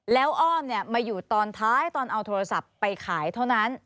แล้วอ้อมมาอยู่ตอนท้ายตอนเอาโทรศัพท์ไปขายเท่านั้น